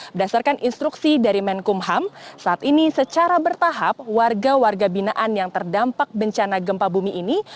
berdasarkan instruksi dari menkumham saat ini secara bertahap warga warga binaan yang terdampak bencana gempa bumi ini